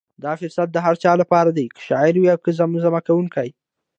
دا فرصت د هر چا لپاره دی، که شاعر وي که زمزمه کوونکی.